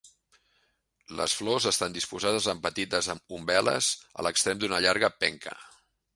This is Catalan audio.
Les flors estan disposades en petites umbel·les a l'extrem d'una llarga penca.